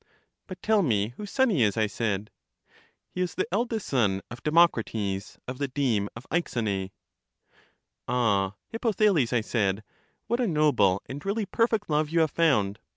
But tell me whose son he is, I said. He is the eldest son of Democrates, of the deme of Aexone. Ah, Hippothales, I said; what a noble and really perfect love you have found!